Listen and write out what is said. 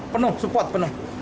penuh support penuh